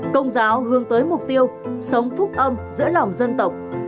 công giáo hướng tới mục tiêu sống phúc âm giữa lòng dân tộc